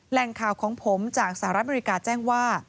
แหล่งข่าวของผมจากสหรัฐอเมริกาแจ้งว่า